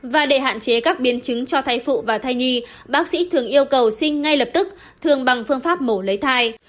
và để hạn chế các biến chứng cho thai phụ và thai nhi bác sĩ thường yêu cầu xin ngay lập tức thường bằng phương pháp mổ lấy thai